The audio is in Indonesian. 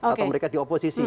atau mereka dioposisi